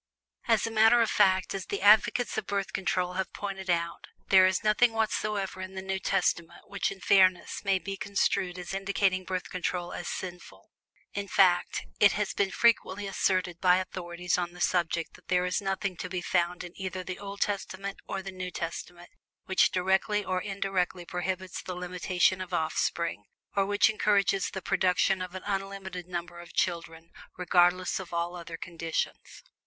As a matter of fact, as the advocates of Birth Control have pointed out, there is nothing whatsoever in the New Testament which in fairness may be construed as indicating Birth Control as sinful; in fact, it has been frequently asserted by authorities on the subject that there is nothing to be found in either the Old Testament or the New Testament which directly or indirectly prohibits the limitation of offspring, or which encourages the production of an unlimited number of children regardless of all other conditions.